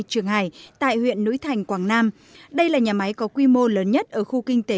trường hải tại huyện núi thành quảng nam đây là nhà máy có quy mô lớn nhất ở khu kinh tế